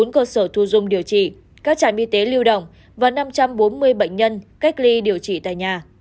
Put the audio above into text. bốn cơ sở thu dung điều trị các trạm y tế lưu động và năm trăm bốn mươi bệnh nhân cách ly điều trị tại nhà